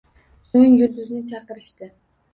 So`ng Yulduzni chaqirishdi